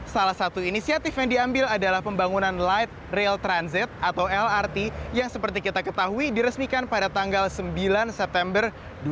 salah satu inisiatif yang diambil adalah pembangunan light rail transit atau lrt yang seperti kita ketahui diresmikan pada tanggal sembilan september dua ribu dua puluh